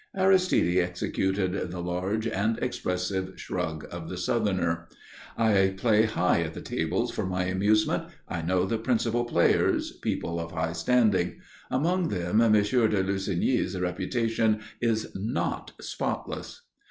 Aristide executed the large and expressive shrug of the Southerner. "I play high at the tables for my amusement I know the principal players, people of high standing. Among them Monsieur de Lussigny's reputation is not spotless."